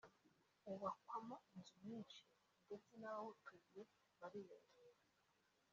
wubakwamo inzu nyinshi ndetse n’abawutuye bariyongera